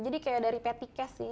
jadi kayak dari petty cash sih